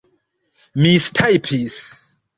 mistajpis